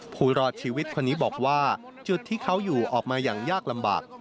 ผู้รอดชีวิตคนนี้บอกว่าจุดที่เขาอยู่ออกมาอย่างยากลำบาก